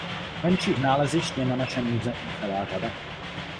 Menších nalezišť je na našem území celá řada.